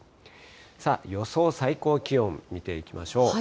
さあ、予想最高気温、見ていきましょう。